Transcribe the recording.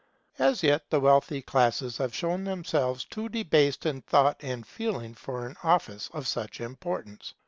As yet the wealthy classes have shown themselves too debased in thought and feeling for an office of such importance.